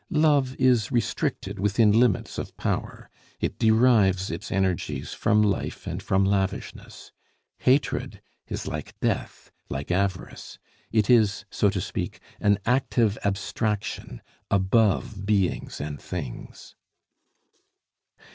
Love is restricted within limits of power; it derives its energies from life and from lavishness. Hatred is like death, like avarice; it is, so to speak, an active abstraction, above beings and things.